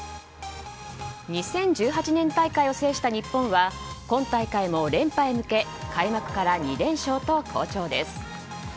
２０１８年大会を制した日本は今大会も連覇へ向け開幕から２連勝と好調です。